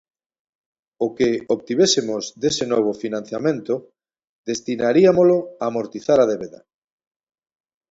O que obtivésemos dese novo financiamento destinariámolo a amortizar a débeda.